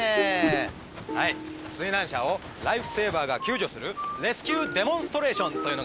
水難者をライフセーバーが救助する「レスキューデモンストレーション」というのがあってね。